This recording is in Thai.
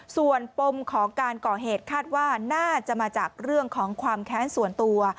ส่วนปมของการก่อเหตุคาดว่าน่าจะมาจากเรื่องของความแค้นส่วนตัว